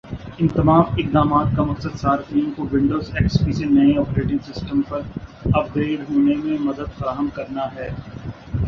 ان تمام اقدامات کا مقصد صارفین کو ونڈوز ایکس پی سے نئے آپریٹنگ سسٹم پر اپ گریڈ ہونے میں مدد فراہم کرنا ہے